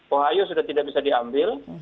wahyu sudah tidak bisa diambil